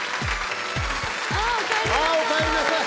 おかえりなさい。